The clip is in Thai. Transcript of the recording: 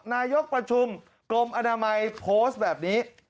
นายกประชุมกรมอนามัยโพสต์แบบนี้